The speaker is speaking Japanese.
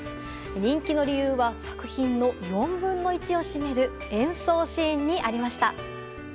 人気の理由は作品の４分の１を占める演奏シーンにありました。